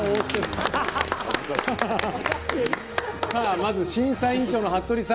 まず審査員長の服部さん